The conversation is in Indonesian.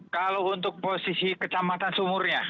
kalau untuk posisi kecamatan sumurnya